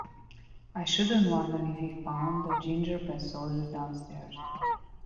I shouldn't wonder if we found a ginger-bread soldier downstairs.